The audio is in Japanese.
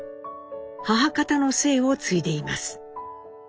母方の姓を継いでいます。